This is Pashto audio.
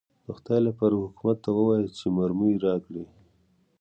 د خدای لپاره حکومت ته ووایاست چې مرمۍ راکړي.